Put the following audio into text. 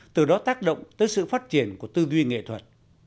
từ đó tác động tới sự phát triển của tư duy nghệ thuật